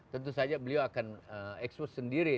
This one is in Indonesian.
tentu saja beliau akan ekspos sendiri